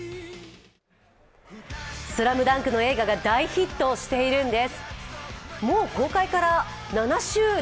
「ＳＬＡＭＤＵＮＫ」の映画が大ヒットしているんです。